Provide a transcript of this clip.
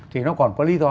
thì nó còn có lý do